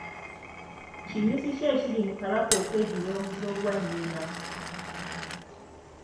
Kinyusi ki ekiri mu Kabaka okweddira omuziro gwa nnyina?